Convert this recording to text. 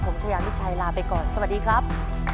ผมชายามิชัยลาไปก่อนสวัสดีครับ